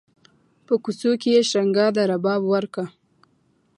په کوڅو کې یې شرنګا د رباب ورکه